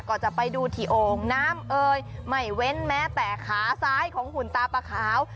ก็จะไปดูที่โอ่งน้ำเอ่ยไม่เว้นแม้แต่ขาซ้ายของหุ่นตาปลาขาว